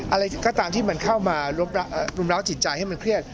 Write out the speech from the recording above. อะไรก็ตามที่มันเข้ามารุมร้าวจิตใจให้มันเครียด